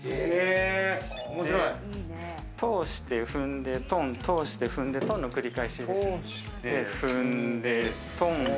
通して踏んでトン、通して踏んでトンの繰り返しです。